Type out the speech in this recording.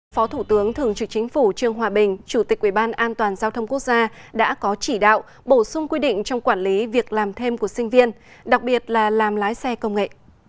phó thủ tướng thường trực chính phủ trương hòa bình chủ tịch quỹ ban an toàn giao thông quốc gia đã có chỉ đạo bổ sung quy định trong quản lý việc làm thêm của sinh viên đặc biệt là làm lái xe công nghệ